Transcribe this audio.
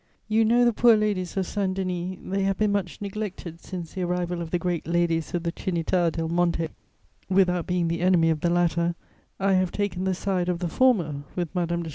You know the poor ladies of Saint Denis: they have been much neglected since the arrival of the great ladies of the Trinità del Monte; without being the enemy of the latter, I have taken the side of the former with Madame de Ch.